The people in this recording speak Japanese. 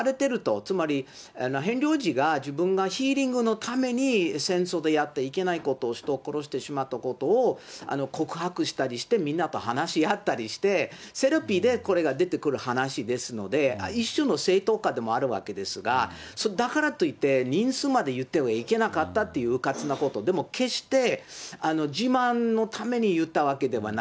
つまりヘンリー王子が、自分がヒーリングのために戦争でやっていけないこと、人を殺してしまったことを告白したりして、みんなと話し合ったりして、セラピーでこれが出てくる話ですので、一種の正当化でもあるわけですが、だからといって人数まで言ってはいけなかったと、うかつなこと、でも決して、自慢のために言ったわけではない。